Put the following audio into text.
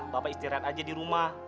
bapak istirahat aja di rumah